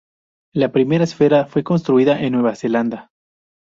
La primera esfera fue construida en Nueva Zelanda.